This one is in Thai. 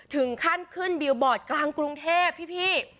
ถึงขั้นขึ้นบิลบอร์ดกลางกรุงเทพพี่